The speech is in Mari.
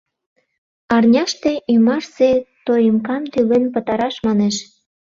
Арняште ӱмашсе тоимкам тӱлен пытараш, манеш.